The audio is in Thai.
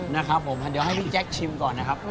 นะครับผมเดี๋ยวให้พี่แจ๊คชิมก่อนนะครับ